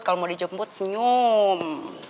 kalau mau dijemput senyum